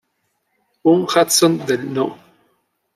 Un Hudson del No.